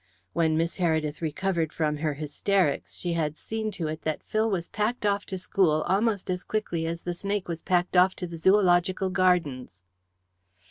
When Miss Heredith recovered from her hysterics she had seen to it that Phil was packed off to school almost as quickly as the snake was packed off to the Zoological Gardens.